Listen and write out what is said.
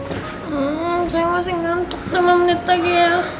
hmm saya masih ngantuk lima menit lagi ya